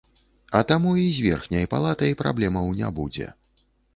А таму і з верхняй палатай праблемаў не будзе.